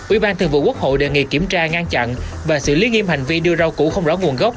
ubth đề nghị kiểm tra ngăn chặn và xử lý nghiêm hành vi đưa rau củ không rõ nguồn gốc